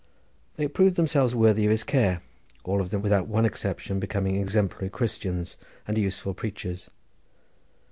They proved themselves worthy of his care, all of them without one exception becoming exemplary Christians, and useful preachers.